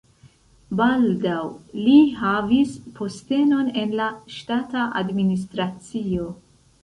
Baldaŭ li havis postenon en la ŝtata administracio.